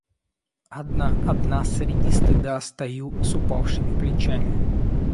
Одна, одна среди стыда Стою с упавшими плечами.